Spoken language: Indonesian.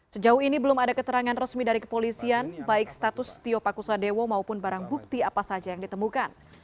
sejauh ini belum ada keterangan resmi dari kepolisian baik status tio pakusadewo maupun barang bukti apa saja yang ditemukan